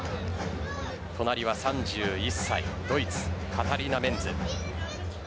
隣は３１歳、ドイツカタリナ・メンズ。